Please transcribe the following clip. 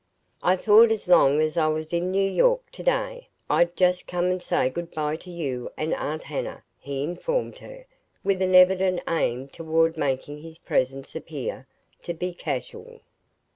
"I thought as long as I was in New York to day I'd just come and say good by to you and Aunt Hannah," he informed her, with an evident aim toward making his presence appear to be casual.